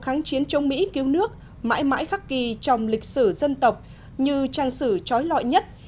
kháng chiến chống mỹ cứu nước mãi mãi khắc ghi trong lịch sử dân tộc như trang sử trói lọi nhất